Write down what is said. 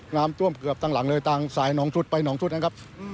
น้ำท่วมเกือบทั้งหลังเลยต่างสายหนองชุดไปหนองชุดนะครับ